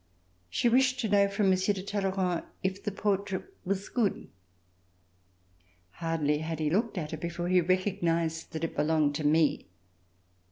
She wished to know from Monsieur de Talleyrand if the portrait was good. Hardly had he looked at it before he recognized that it belonged to me.